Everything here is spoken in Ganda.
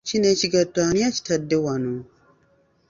Kino ekigatto ani akitadde wano?